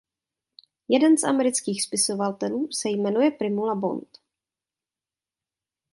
Jeden z amerických spisovatelů se jmenuje Primula Bond.